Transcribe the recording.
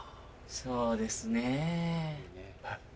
そうですねぇ。